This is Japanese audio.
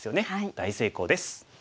大成功です。